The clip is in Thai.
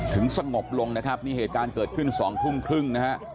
สงบลงนะครับนี่เหตุการณ์เกิดขึ้น๒ทุ่มครึ่งนะฮะ